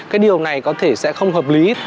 cái điều này có thể sẽ không hợp lý